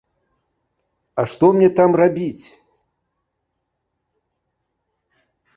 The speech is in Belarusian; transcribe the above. А што мне там рабіць?